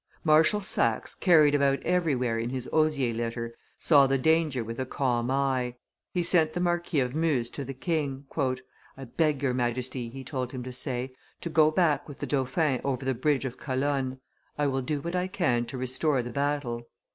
Marshal Saxe, carried about everywhere in his osier litter, saw the danger with a calm eye; he sent the Marquis of Meuse to the king. "I beg your Majesty," he told him to say, "to go back with the dauphin over the bridge of Calonne; I will do what I can to restore the battle."